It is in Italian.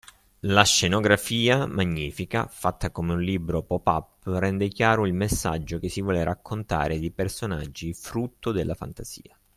La scenografia, magnifica, fatta come un libro pop-up rende chiaro il messaggio che si vuole raccontare di personaggi frutto della fantasia